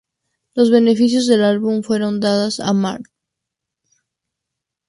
Los beneficios del álbum fueron dadas a Mr.